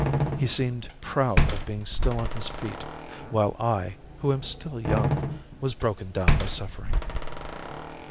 He seemed proud of being still on his feet, while I, who am still young, was broken down by suffering.